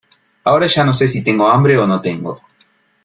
Ahora ya no sé si tengo hambre o no tengo.